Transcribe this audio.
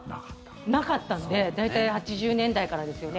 なかったんで大体、８０年代からですよね。